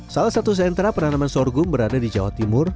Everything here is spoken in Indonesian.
salah satu sentra penanaman sorghum berada di jawa timur